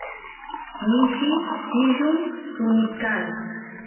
mishi sillun suni kan